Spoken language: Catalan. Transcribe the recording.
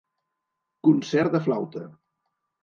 Concert de flauta.